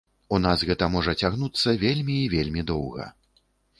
У нас гэта можа цягнуцца вельмі і вельмі доўга.